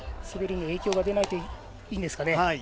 滑りに影響が出ないといいんですが。